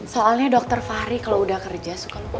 soalnya dokter fahri kalo udah kerja suka lupa makan